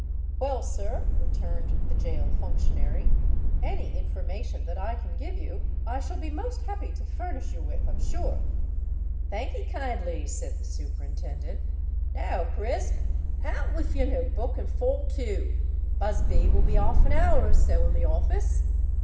"Well, sir," returned the gaol functionary, "any information that I can give you, I shall be most happy to furnish you with, I'm sure." "Thank'ee kindly," said the Superintendent. "Now, Crisp, out with your note book, and fall to. Busby will be half an hour or so in the office.